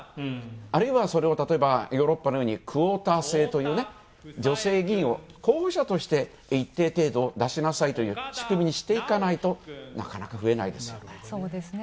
あるいは、それを例えばヨーロッパのようにクオーター制という女性議員を候補者として、一定程度出しなさいという仕組みにしていかないとなかなか増えないですよね。